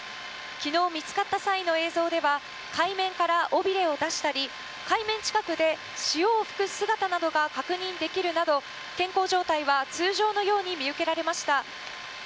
昨日、見つかった際の映像では海面から尾びれを出したり海面近くで潮を吹く姿などが確認できるなど健康状態は通常のように見受けられました。